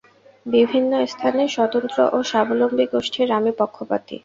বিভিন্ন স্থানে স্বতন্ত্র ও স্বাবলম্বী গোষ্ঠীর আমি পক্ষপাতী।